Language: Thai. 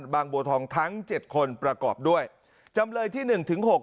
บางบัวทองทั้งเจ็ดคนประกอบด้วยจำเลยที่หนึ่งถึงหก